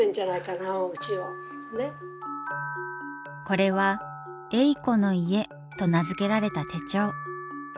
これは「えいこの家」と名付けられた手帳。